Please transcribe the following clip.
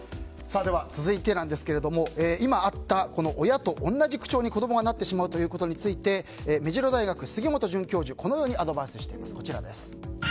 今あった親と同じ口調に子供がなってしまうということについて目白大学の杉本准教授はこのようにアドバイスしています。